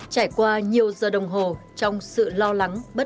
trải qua nhiều giờ đồng hồ trong sự lo lắng bất an